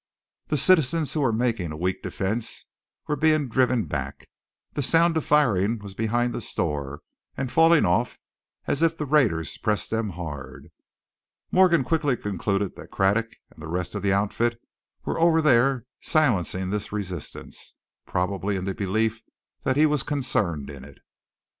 The citizens who were making a weak defense were being driven back, the sound of firing was behind the stores, and falling off as if the raiders pressed them hard. Morgan quickly concluded that Craddock and the rest of the outfit were over there silencing this resistance, probably in the belief that he was concerned in it.